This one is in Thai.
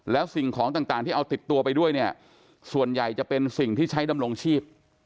แล้วสิ่งของต่างที่เอาติดตัวไปด้วยเนี่ยส่วนใหญ่จะเป็นสิ่งที่ใช้ดำรงชีพ